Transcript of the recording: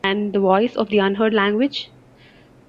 And the voice of the unheard language?